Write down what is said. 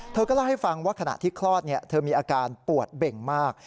เธอก็เล่าให้ฟังว่าขณะที่คลอดเธอมีอาการปวดเบ่งมาก